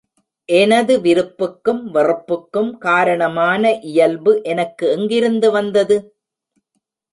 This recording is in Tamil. எனது விருப்புக்கும் வெறுப்புக்கும் காரணமான இயல்பு எனக்கு எங்கிருந்து வந்தது?